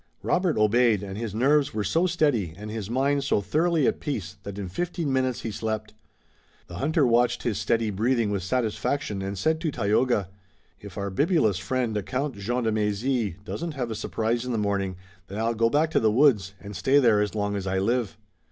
Robert obeyed and his nerves were so steady and his mind so thoroughly at peace that in fifteen minutes he slept. The hunter watched his steady breathing with satisfaction and said to Tayoga: "If our bibulous friend, Count Jean de Mézy, doesn't have a surprise in the morning, then I'll go back to the woods, and stay there as long as I live."